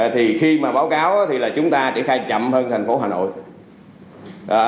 thì khi mà báo cáo thì là chúng ta triển khai chậm hơn tp hcm